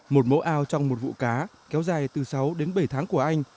một mẫu ao trong một vụ cá kéo dài từ sáu đến bảy tháng của anh